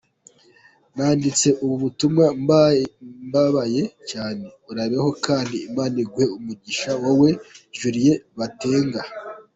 Nanditse ubu butumwa mbabaye cyane…Urabeho kandi Imana iguhe umugisha wowe Julie Batenga.